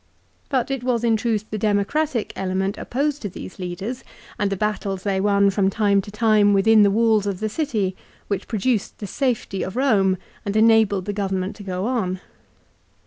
But it was in truth the democratic element opposed to these leaders, and the battles they won from time to time within the walls of tlie city, which produced the safety of Rome and enabled the government to go on.